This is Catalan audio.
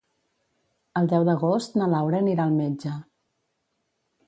El deu d'agost na Laura anirà al metge.